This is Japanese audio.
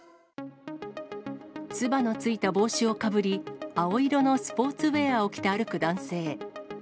つばの付いた帽子をかぶり、青色のスポーツウエアを着て歩く男性。